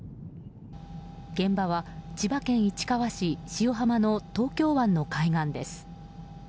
現場は千葉県市川市塩浜の東京湾の海岸です。